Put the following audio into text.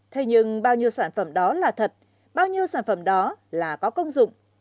thế nhưng bao nhiêu sản phẩm đó là thật bao nhiêu sản phẩm đó là có công dụng